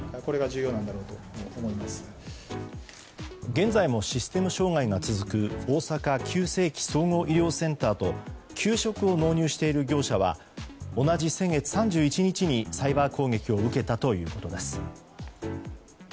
現在もシステム障害が続く大阪急性期・総合医療センターと給食を納入している業者は同じ先月３１日にサイバー攻撃を受けたということです。